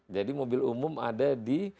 jadi mobil umum ada di